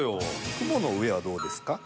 雲の上はどうですか。